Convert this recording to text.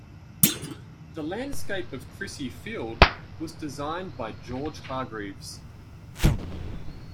The landscape of Crissy Field was designed by George Hargreaves.